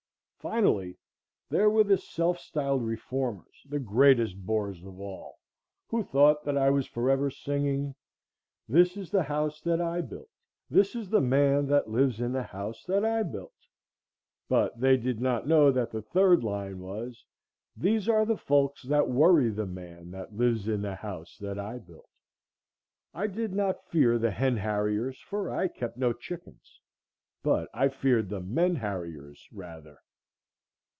Finally, there were the self styled reformers, the greatest bores of all, who thought that I was forever singing,— This is the house that I built; This is the man that lives in the house that I built; but they did not know that the third line was,— These are the folks that worry the man That lives in the house that I built. I did not fear the hen harriers, for I kept no chickens; but I feared the men harriers rather.